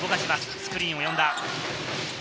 スクリーンを呼んだ。